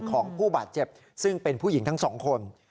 ของผู้บาดเจ็บซึ่งเป็นผู้หญิงทั้งสองคน